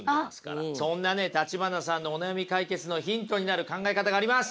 そんなね橘さんのお悩み解決のヒントになる考え方があります。